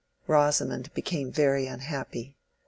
Rosamond became very unhappy.